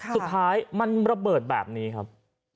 สุดท้ายมันระเบิดแบบนี้ครับ